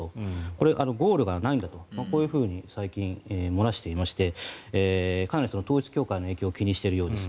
これ、ゴールがないんだとこういうふうに最近、漏らしていましてかなり統一教会の影響を気にしているようです。